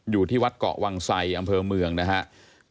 อยู่ที่วัดเกาะวังไสอำเภอเมืองนะครับ